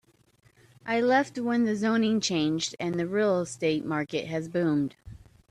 I left when the zoning changed and the real estate market has boomed.